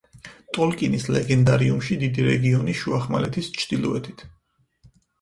ტოლკინის ლეგენდარიუმში დიდი რეგიონი შუახმელეთის ჩრდილოეთით.